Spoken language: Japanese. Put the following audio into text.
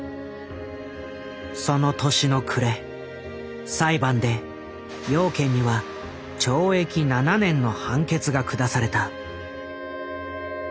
その年の暮れ裁判で養賢には懲役７年の判決が下された。